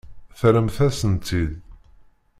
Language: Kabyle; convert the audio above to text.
Terramt-asen-tt-id.